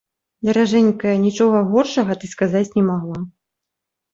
Даражэнькая, нічога горшага ты сказаць не магла.